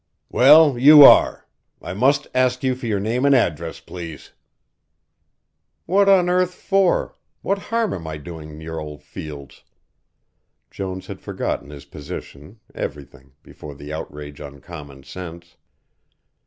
"Well, you are. I must ask you for your name and address, please." "What on earth for what harm am I doing your old fields?" Jones had forgotten his position, everything, before the outrage on common sense.